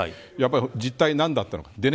実態は何だったのか。